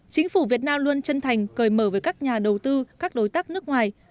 chính phủ việt nam luôn chân thành cởi mở với các nhà đầu tư các đối tác nước ngoài